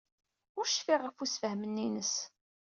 Ur cfiɣ ɣef ussefhem-nni-nnes.